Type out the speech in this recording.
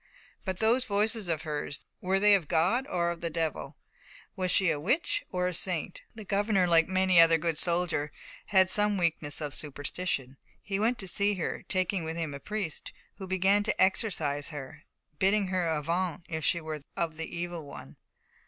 But those voices of hers, were they of God or of the Devil? Was she witch or saint? The governor, like many another good soldier, had some weakness of superstition. He went to see her, taking with him a priest, who began to exorcise her, bidding her avaunt if she were of the Evil One.